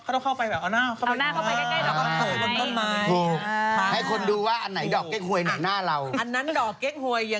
เค้าต้องเข้าไปแบบเอาหน้าเข้าไปด้านในเอาหน้าเข้าไปใกล้ดอกเก๊กหวย